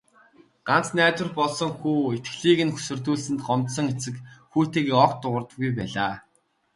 Ганц найдвар болсон хүү итгэлийг нь хөсөрдүүлсэнд гомдсон эцэг хүүтэйгээ огт дуугардаггүй байлаа.